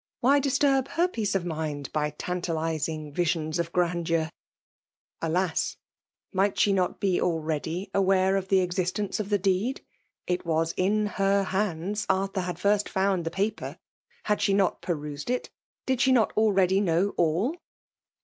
— why disturb her peace of miud by tantalizing visions of grandeur ? Alas ! might she not be already aware of the existence of the deed? — It was in her hands Arthur had first found the paper. Had she not perused it? — ^Did she not already know all